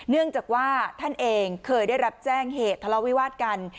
เนื่องจากว่าท่านเองเคยได้รับแจ้งเหตุทะเลาวิวาสกัน